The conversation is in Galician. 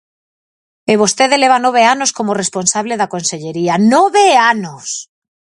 E vostede leva nove anos como responsable da consellería, ¡nove anos!